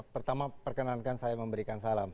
pertama perkenankan saya memberikan salam